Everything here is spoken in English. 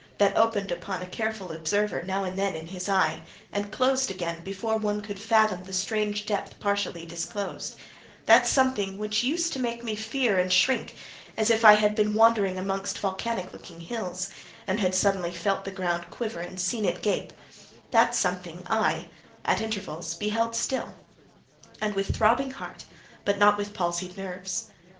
—that opened upon a careful observer, now and then, in his eye, and closed again before one could fathom the strange depth partially disclosed; that something which used to make me fear and shrink, as if I had been wandering amongst volcanic looking hills, and had suddenly felt the ground quiver and seen it gape: that something, I, at intervals, beheld still; and with throbbing heart, but not with palsied nerves.